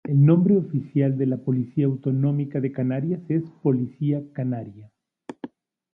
El nombre oficial de la policía autonómica de Canarias es Policía Canaria.